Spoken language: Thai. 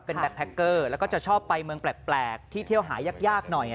เป็นแล้วก็จะชอบไปเมืองแปลกที่เที่ยวหายยากยากหน่อย